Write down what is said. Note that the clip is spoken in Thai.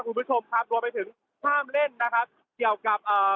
คุณผู้ชมครับรวมไปถึงห้ามเล่นนะครับเกี่ยวกับเอ่อ